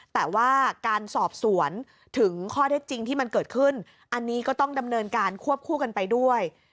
แต่ว่าการสอบสวนถึงข้อเท็จจริงที่มันเกิดขึ้นอันนี้ก็ต้องดำเนินการควบคู่กันไปด้วย